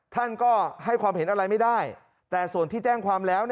ท่านก็ให้ความเห็นอะไรไม่ได้แต่ส่วนที่แจ้งความแล้ว